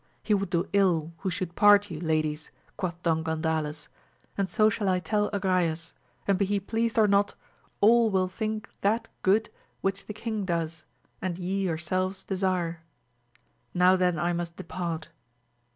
He would do ill who should part ye, ladies ! quoth Don Gandales, and so shall I tell Agrayes, and be he pleased or not, all will think that good which the king. does, and ye yourselves desire. Now then I must depart.